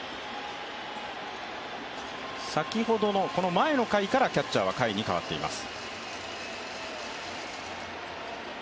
前の回からキャッチャーは甲斐に代わっています。